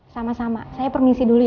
sama sama saya permisi dulu ya